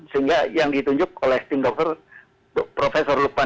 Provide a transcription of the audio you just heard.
sehingga yang ditunjuk oleh tim dokter profesor lukman